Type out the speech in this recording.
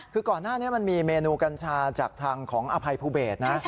คือก่อนหน้านี้มันมีเมนูกัญชาจากทางของอภัยภูเบศนะ